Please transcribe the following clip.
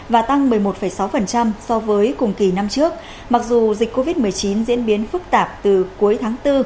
và tăng một mươi một sáu so với cùng kỳ năm trước mặc dù dịch covid một mươi chín diễn biến phức tạp từ cuối tháng bốn